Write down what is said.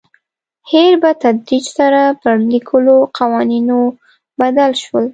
هیر په تدریج سره پر لیکلو قوانینو بدل شول.